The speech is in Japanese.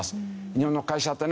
日本の会社ってね